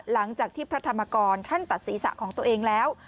หลังจากที่พระธรรมกรท่านตัดศีรษะของตัวเองแล้ว